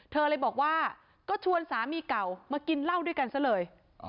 เธอเลยบอกว่าก็ชวนสามีเก่ามากินเหล้าด้วยกันซะเลย